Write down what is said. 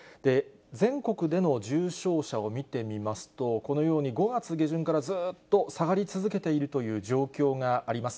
全国での重症者を見てみますと、このように、５月下旬からずっと下がり続けているという状況があります。